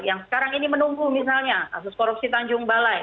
yang sekarang ini menunggu misalnya kasus korupsi tanjung balai